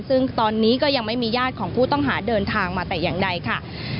ซึ่งตอนนี้ก็ยังไม่มีญาติของผู้ต้องหาเดินทางมาแต่อย่างใดค่ะ